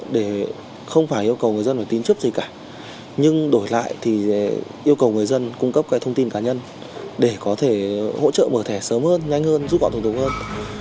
để không phải yêu cầu người dân phải tín chấp gì cả nhưng đổi lại thì yêu cầu người dân cung cấp cái thông tin cá nhân để có thể hỗ trợ mở thẻ sớm hơn nhanh hơn giúp họ thủ tục hơn